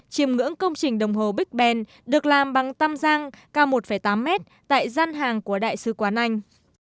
chìm ngưỡng công trình đồng hồ bích ben được làm bằng tam giang cao một tám mét tại gian hàng của đại sứ quán anh